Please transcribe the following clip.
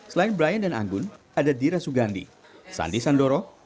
selain brian dan anggun ada dira sugandi sandi sandoro